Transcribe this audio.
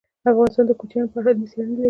افغانستان د کوچیانو په اړه علمي څېړنې لري.